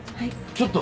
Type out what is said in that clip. ちょっと。